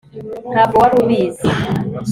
ntabwo wari ubizi